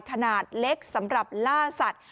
ขนาดเล็กสำหรับล่าสัตว์